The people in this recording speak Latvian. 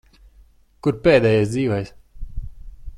Kur pēdējais dzīvais?